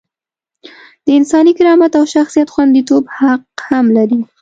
د انساني کرامت او شخصیت خونديتوب حق هم لري.